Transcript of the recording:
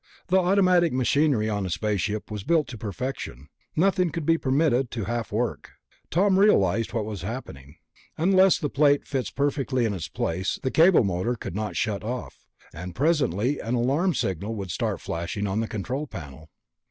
The automatic machinery on a spaceship was built to perfection; nothing could be permitted to half work. Tom realized what was happening. Unless the plate fit perfectly in its place, the cable motor could not shut off, and presently an alarm signal would start flashing on the control panel.